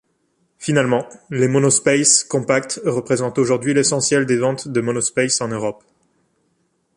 Finalement, les monospaces compacts représentent aujourd'hui l'essentiel des ventes de monospaces en Europe.